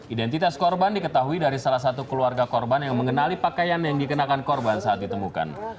identitas korban diketahui dari salah satu keluarga korban yang mengenali pakaian yang dikenakan korban saat ditemukan